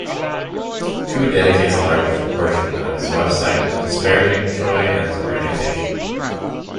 Koo dedicates a large portion of his website to disparaging Choi and his organization.